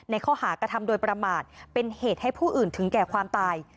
ข้อหากระทำโดยประมาทเป็นเหตุให้ผู้อื่นถึงแก่ความตาย